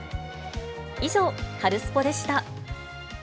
以上、カルスポっ！でした。